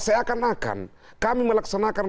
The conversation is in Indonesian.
saya akan akan kami melaksanakan